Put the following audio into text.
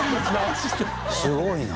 すごいな。